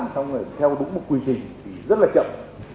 theo đúng một quy trình thì rất là chậm